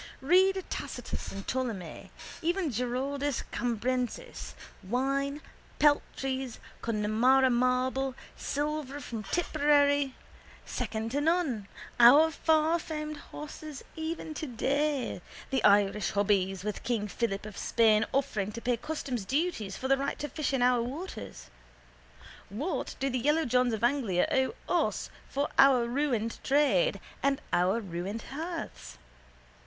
Read Tacitus and Ptolemy, even Giraldus Cambrensis. Wine, peltries, Connemara marble, silver from Tipperary, second to none, our farfamed horses even today, the Irish hobbies, with king Philip of Spain offering to pay customs duties for the right to fish in our waters. What do the yellowjohns of Anglia owe us for our ruined trade and our ruined hearths?